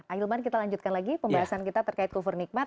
ahilman kita lanjutkan lagi pembahasan kita terkait kufur nikmat